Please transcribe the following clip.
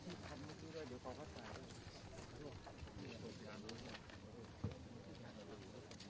หอมพอร์ตพอร์ตพอร์ตพอร์ตเสร็จแล้วพอร์ตโจรทรีย์